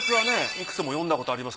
いくつも読んだことあります